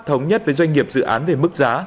thống nhất với doanh nghiệp dự án về mức giá